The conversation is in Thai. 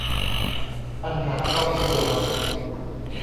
ปัญหาครอบครัว